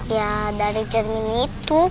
ya dari cermin itu